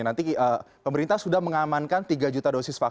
nanti pemerintah sudah mengamankan tiga juta dosis vaksin